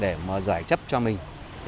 để giải chấp cho mình